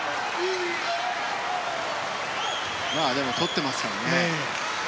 でも、とってますからね。